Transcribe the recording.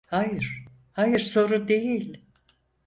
Hayır, hayır, sorun değil.